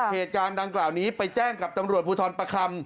เหตุการณ์ดังกล่าวนี้ไปแจ้งกับตำรวจภูทรประคำ